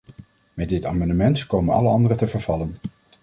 Met dit amendement komen alle andere te vervallen.